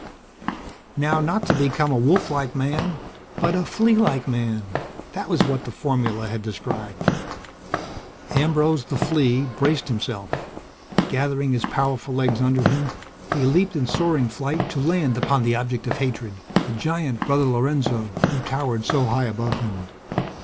Not how to become a wolf like man, but a flea like man that was what the formula had described. Ambrose, the flea, braced himself. Gathering his powerful legs under him, he leaped in soaring flight to land upon the object of hatred the giant Brother Lorenzo, who towered so high above him.